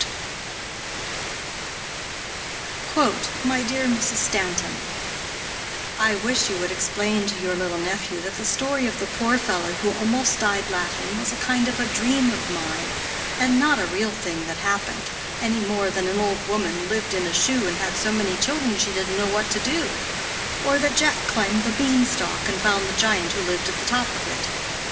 "MY DEAR MRS. STANTON: "I wish you would explain to your little nephew that the story of the poor fellow who almost died laughing was a kind of a dream of mine, and not a real thing that happened, any more than that an old woman 'lived in a shoe and had so many children she didn't know what to do,' or that Jack climbed the bean stalk and found the giant who lived at the top of it.